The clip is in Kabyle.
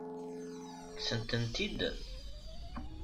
Kksent-ten-id?